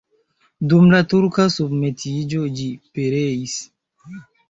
Dum la turka submetiĝo ĝi pereis.